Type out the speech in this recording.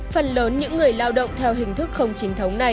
phần lớn những người lao động theo hình thức không chính thống này